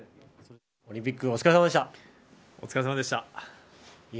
オリンピックお疲れ様でした。